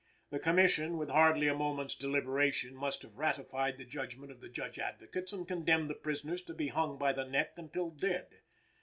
The Commission, with hardly a moment's deliberation, must have ratified the judgment of the Judge Advocates and condemned the prisoners to be hung by the neck until dead.